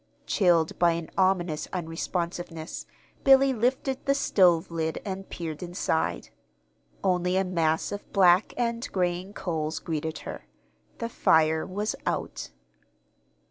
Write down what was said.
Chilled by an ominous unresponsiveness, Billy lifted the stove lid and peered inside. Only a mass of black and graying coals greeted her. The fire was out.